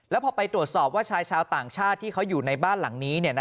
แล้วพอไปตรวจสอบว่าชายชาวต่างชาติที่เขาอยู่ในบ้านหลังนี้